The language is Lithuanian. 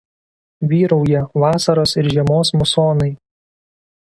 Vyrauja vasaros ir žiemos musonai.